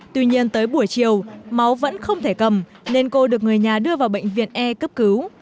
tuy nhiên tới buổi chiều máu vẫn không thể cầm nên cô được người nhà đưa vào bệnh viện e cấp cứu